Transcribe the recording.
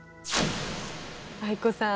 藍子さん。